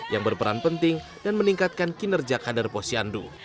yang berperan penting dan meningkatkan kinerja kader posyandu